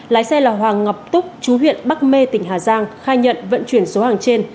lái xe là hoàng ngọc túc chú huyện bắc mê tỉnh hà giang khai nhận vận chuyển số hàng trên